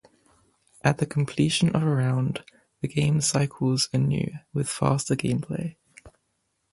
At the completion of a round, the game cycles anew with faster gameplay.